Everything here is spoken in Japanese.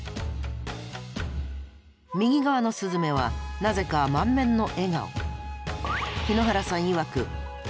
右側のスズメはなぜか満面の笑顔。